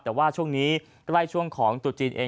แต่ว่าช่วงนี้ใกล้ช่วงของตุจีนเอง